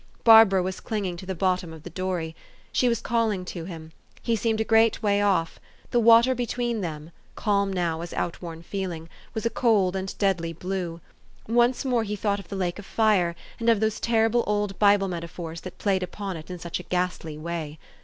Barbara was clinging to the bottom of the dory. She was calling to him. He seemed a great way off. The water between them calm now as outworn feeling was a cold and deadly blue. Once more he thought of the lake of fire, and of those terrible old Bible metaphors that played upon it in such a ghastly way.